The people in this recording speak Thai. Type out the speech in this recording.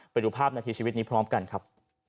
ไปดูภาพนาทีชีวิตนี้พร้อมกันครับ